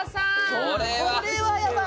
これはやばい。